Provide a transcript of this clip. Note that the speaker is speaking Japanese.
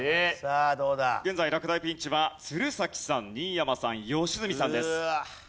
現在落第ピンチは鶴崎さん新山さん良純さんです。